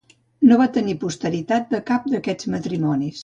No va tenir posteritat de cap d'aquests matrimonis.